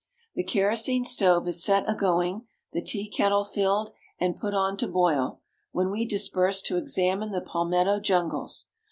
The kerosene stove is set a going; the tea kettle filled, and put on to boil; when we disperse to examine the palmetto jungles.